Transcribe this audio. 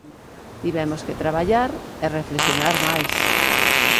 Tivemos que traballar e reflexionar máis.